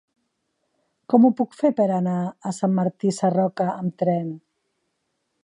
Com ho puc fer per anar a Sant Martí Sarroca amb tren?